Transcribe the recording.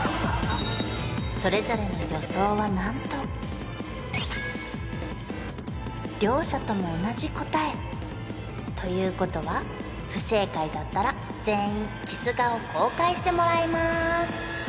それぞれの予想はなんと両者とも同じ答えということは不正解だったら全員キス顔公開してもらいます！